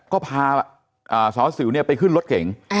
ก็พาสารรัสสิวเนี่ยไปขึ้นรถเข็ง